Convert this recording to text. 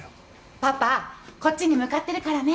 パパこっちに向かってるからね。